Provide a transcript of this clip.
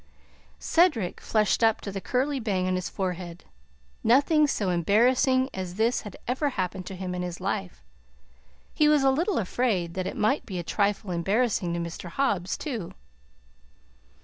Cedric flushed up to the curly bang on his forehead. Nothing so embarrassing as this had ever happened to him in his life. He was a little afraid that it might be a trifle embarrassing to Mr. Hobbs, too.